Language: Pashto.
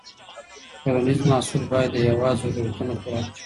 ټولنیز محصول باید د هېواد ضرورتونه پوره کړي.